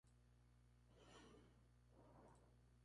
La historia aborda la maternidad dentro del sistema penitenciario.